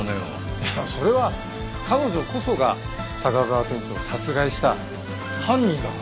いやそれは彼女こそが高沢店長を殺害した犯人だからだよ。